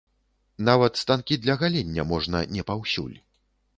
Нават станкі для галення можна не паўсюль.